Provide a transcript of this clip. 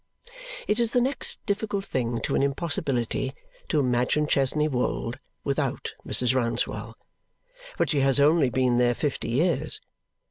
It is the next difficult thing to an impossibility to imagine Chesney Wold without Mrs. Rouncewell, but she has only been here fifty years.